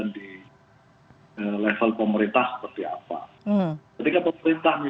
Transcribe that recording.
untuk memuan coisa lazim nya jadi tentukan riwas tanganolor kompetitif